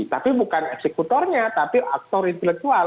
tapi bukan eksekutornya tapi aktor intelektual